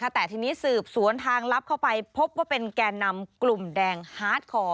แต่ทีนี้สืบสวนทางลับเข้าไปพบว่าเป็นแก่นำกลุ่มแดงฮาร์ดคอร์